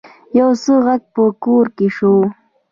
يو څه غږ په کور کې شو.